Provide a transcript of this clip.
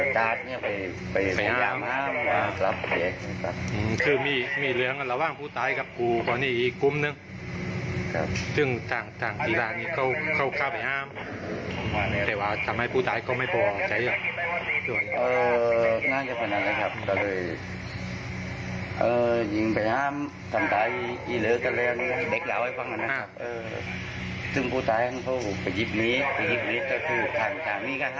ทำไมผู้ตายก็ไม่พอใจอ่ะ